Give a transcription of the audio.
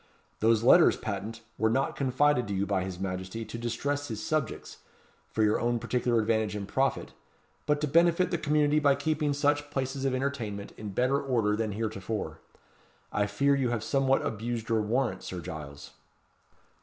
Those letters patent were not confided to you by his Majesty to distress his subjects, for your own particular advantage and profit, but to benefit the community by keeping such places of entertainment in better order than heretofore. I fear you have somewhat abused your warrant, Sir Giles."